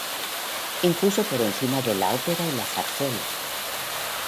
Incluso por encima de la ópera y la zarzuela.